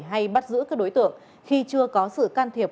hay bắt giữ các đối tượng khi chưa có sự can thiệp